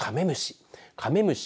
カメムシ。